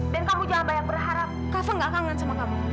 dan kamu jangan banyak berharap kak fah nggak kangen sama kamu